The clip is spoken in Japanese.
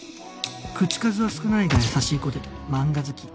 口数は少ないが優しい子で漫画好き